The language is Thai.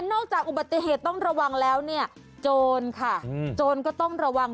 จากอุบัติเหตุต้องระวังแล้วเนี่ยโจรค่ะโจรก็ต้องระวัง